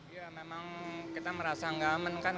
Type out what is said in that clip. ya memang kita merasa nggak aman kan